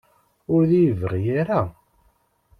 Ur d-iyi-yebɣi ara?